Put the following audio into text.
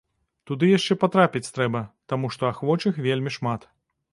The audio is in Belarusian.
Туды яшчэ патрапіць трэба, таму што ахвочых вельмі шмат.